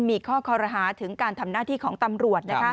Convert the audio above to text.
มีข้อคอรหาถึงการทำหน้าที่ของตำรวจ